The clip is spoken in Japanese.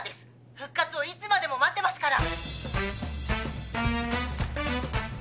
復活をいつまでも待ってますから！